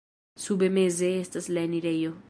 Sube meze estas la enirejo.